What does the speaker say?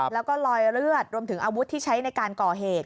แล้วก็ลอยเลือดรวมถึงอาวุธที่ใช้ในการก่อเหตุ